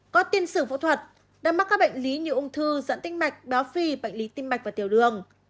có tiên xử phẫu thuật đam mắc các bệnh lý như ung thư dẫn tinh mạch béo phi bệnh lý tinh mạch và tiểu đường